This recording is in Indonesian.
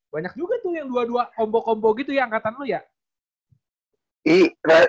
banyak juga tuh yang dua dua combo combo gitu ya angkatan lu ya